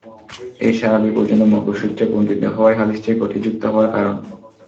এ সাহাবী পর্যন্ত মওকুফ সূত্রে বর্ণিত হওয়াই হাদীসটি কটিযুক্ত হওয়ার কারণ।